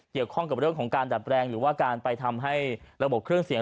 เกี่ยวข้องกับเรื่องของการดัดแปลงหรือว่าการไปทำให้ระบบเครื่องเสียง